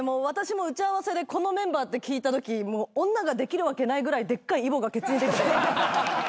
私も打ち合わせでこのメンバーって聞いたとき女ができるわけないぐらいでっかいイボがケツにできて。